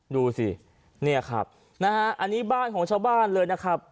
ดูสิเนี่ยครับนะฮะอันนี้บ้านของชาวบ้านเลยนะครับ